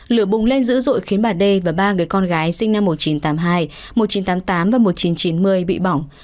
lửa bùng lên dữ dội khiến bà đê và ba người con gái sinh năm một nghìn chín trăm tám mươi hai một nghìn chín trăm tám mươi tám và một nghìn chín trăm chín mươi bị bỏng